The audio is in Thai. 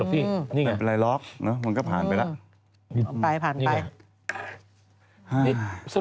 เดี๋ยวฉันไปดูไอจีก่อน